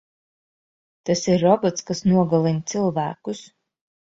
Tas ir robots, kas nogalina cilvēkus.